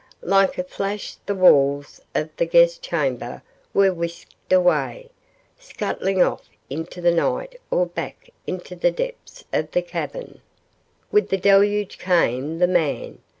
Like a flash the walls of the guest chamber were whisked away, scuttling off into the night or back into the depths of the cavern. With the deluge came the man.